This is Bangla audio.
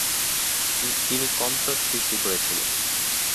তিনি কমটস সৃষ্টি করেছিলেন।